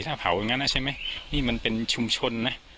ถ้าเผาอย่างนั้นใช่ไหมนี่มันเป็นชุมชนนะ